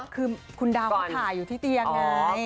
คือคุณดาวเขาถ่ายอยู่ที่เตียงไง